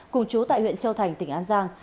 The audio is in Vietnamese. cùng chú tại huyện châu thành tỉnh an giang